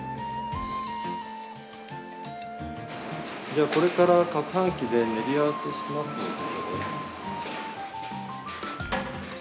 じゃあこれからかくはん機で練り合わせしますので。